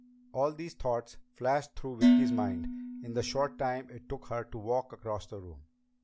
All these thoughts flashed through Vicki's mind in the short time it took her to walk across the room.